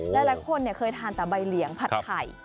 แหละละคนเนี่ยเคยทานแต่ใบเหลียงผัดไข่